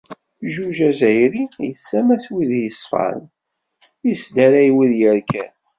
Jjuj azzayri yessamas win yeṣfan, yesdaray win yerkan.